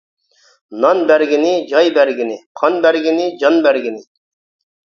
نان بەرگىنى جاي بەرگىنى، قان بەرگىنى جان بەرگىنى.